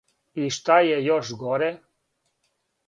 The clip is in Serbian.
И што је још горе.